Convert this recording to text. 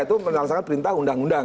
itu melaksanakan perintah undang undang